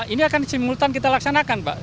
ini akan simultan kita laksanakan pak